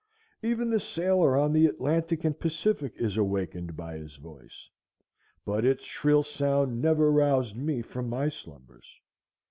Even the sailor on the Atlantic and Pacific is awakened by his voice; but its shrill sound never roused me from my slumbers.